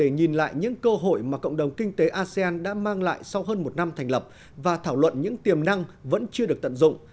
nhìn lại những cơ hội mà cộng đồng kinh tế asean đã mang lại sau hơn một năm thành lập và thảo luận những tiềm năng vẫn chưa được tận dụng